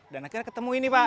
akhirnya ketemu ini pak